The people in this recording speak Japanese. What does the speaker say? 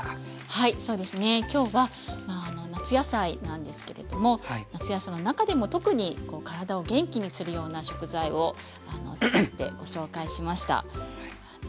はいそうですね。今日は夏野菜なんですけれども夏野菜の中でも特に体を元気にするような食材を使ってご紹介しました。